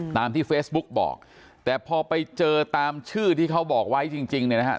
ตามที่เฟซบุ๊กบอกแต่พอไปเจอตามชื่อที่เขาบอกไว้จริงเนี่ยนะฮะ